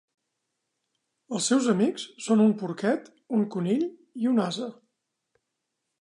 Els seus amics són un porquet, un conill i un ase.